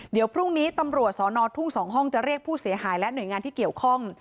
เดี๋ยวพรุ่งนี้ตำรวจสอนอทุ่ง๒ห้องจะเรียกผู้เสียหายและหน่วยงานที่เกี่ยวข้อง